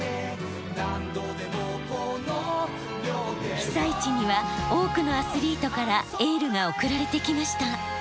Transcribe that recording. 被災地には多くのアスリートからエールが送られてきました。